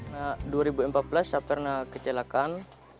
nah dua ribu empat belas saya pernah kecelakaan